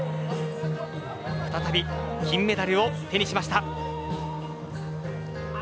再び金メダルを手にしました。